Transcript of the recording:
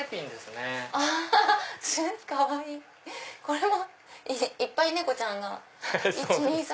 これはいっぱい猫ちゃんが。